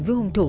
với hùng thủ